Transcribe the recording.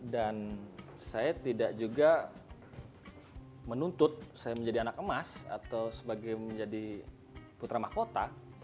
dan saya tidak juga menuntut saya menjadi anak emas atau sebagai menjadi putra mahkota